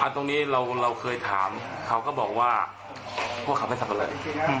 ตรงนี้เราเคยถามเขาก็บอกว่าพวกเขาไปสับปะเลอ